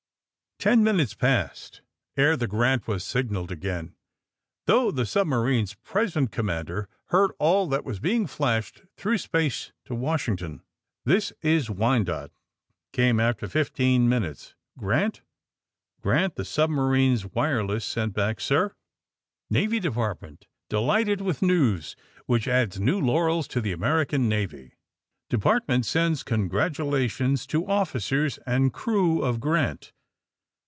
Ten minutes passed ere the /^ Grant" was sig naled again, though the submarine's present commander heard all that was being flashed through space to Washington. ^* This is ^ Wyanoke, ''' came, after fifteen min utes. ''^ Grant'?" *^* Grant,' " the submarine's wireless sent back. ''BivV ^^Navy Department delighted with news, which adds new laurels to the American Navy. Department sends congratulations to officers and crew of ^ Grant.'